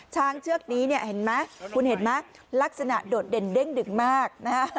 ช้างเชือกนี้เห็นไหมคุณเห็นไหมลักษณะโดดเด่นเด้งดึกมาก